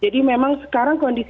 jadi memang sekarang kondisi